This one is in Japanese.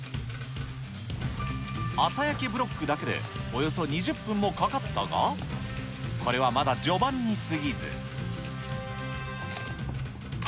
朝焼けブロックだけでおよそ２０分もかかったが、これはまだ序盤にすぎず。